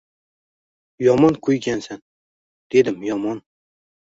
Yomon quygansan, dedim yomon.